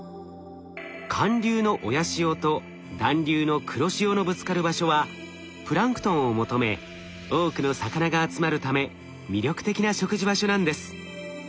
寒流の親潮と暖流の黒潮のぶつかる場所はプランクトンを求め多くの魚が集まるため魅力的な食事場所なんです。